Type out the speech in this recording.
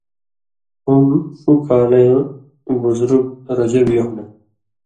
ہُم ݜُو کالَیں بُزرگ (رجب) یُون٘ہہۡ مہ